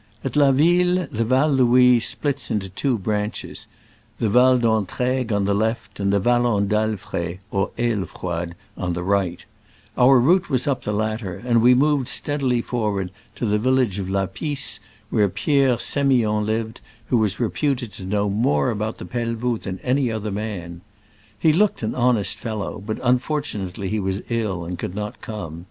At La Ville the Val Louise spUts into two branches — the Val d'Entrai gues on the left, and the Vallon d' Alefred ( o r Ailefroide) the right: route was the latter, we moved steadily for ward to the vil lage of La Pisse, where Pierre S6miond lived, who was reputed to know more about the Pelvoux than any other man. He looked an honest fellow, but unfor tunately he was ill and could not come.